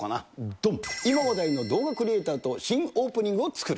どん、今話題の動画クリエーターと新オープニングを作る。